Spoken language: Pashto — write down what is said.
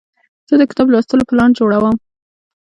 زه د کتاب لوستلو پلان جوړوم.